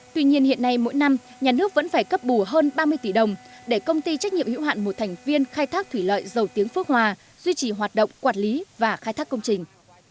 tuy nhiên hiện nay mỗi năm nhà nước vẫn phải cấp bù hơn ba mươi tỷ đồng để công ty trách nhiệm hữu hạn một thành viên khai thác thủy lợi dầu tiếng phước hòa duy trì hoạt động quản lý và khai thác công trình